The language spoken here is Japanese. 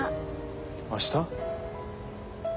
明日？